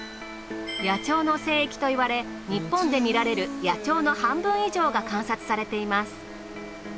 野鳥の聖域といわれ日本で見られる野鳥の半分以上が観察されています。